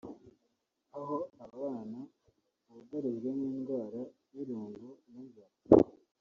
aho abana bugarijwe n’indwara y’irungu n’inzara